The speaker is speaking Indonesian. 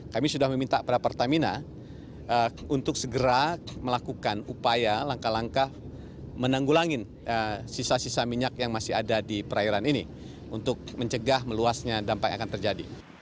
kami sudah meminta pada pertamina untuk segera melakukan upaya langkah langkah menanggulangin sisa sisa minyak yang masih ada di perairan ini untuk mencegah meluasnya dampak yang akan terjadi